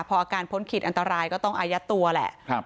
พออาการพ้นขีดอันตรายก็ต้องอายัดตัวแหละ